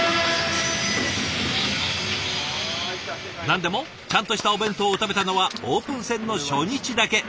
何でもちゃんとしたお弁当を食べたのはオープン戦の初日だけ。